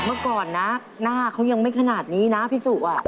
เมื่อก่อนนะหน้าเขายังไม่ขนาดนี้นะพี่สุ